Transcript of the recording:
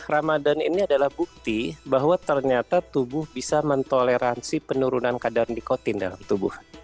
ramadhan ini adalah bukti bahwa ternyata tubuh bisa mentoleransi penurunan kadar nikotin dalam tubuh